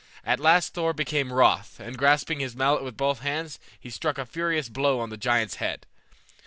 At last Thor became wroth, and grasping his mallet with both hands he struck a furious blow on the giant's head.